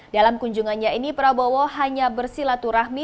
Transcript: dalam kunjungannya ini prabowo hanya bersilaturahmi